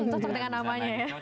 cocok dengan namanya ya